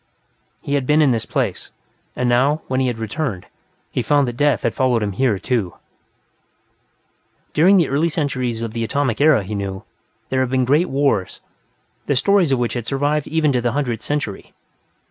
He had been in this place, and now, when he had returned, he found that death had followed him here, too. During the early centuries of the Atomic Era, he knew, there had been great wars, the stories of which had survived even to the Hundredth Century.